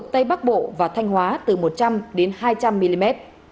tây bắc bộ và thanh hóa từ một trăm linh đến hai trăm linh mm